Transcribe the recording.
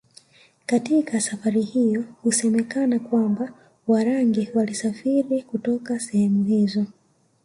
Katika safari hiyo husemekana kwamba Warangi walisafiri kutoka sehemu hizo